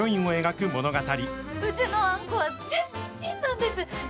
うちのあんこは絶品なんです！